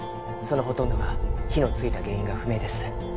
そのほとんどが火のついた原因が不明です。